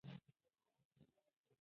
د ده ژوند د منځلارۍ بېلګه ګڼل کېږي.